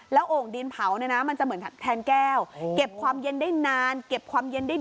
แล้วโอ่งดินเผามันจะเหมือนแทนแก้ว